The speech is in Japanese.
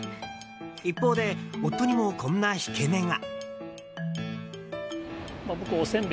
一方で夫にも、こんな引け目が。